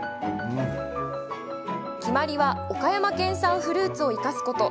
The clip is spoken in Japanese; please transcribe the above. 決まりは岡山県産フルーツを生かすこと。